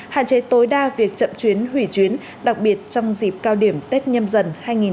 hạn chế tối đa việc chậm chuyến hủy chuyến đặc biệt trong dịp cao điểm tết nhâm dần hai nghìn hai mươi bốn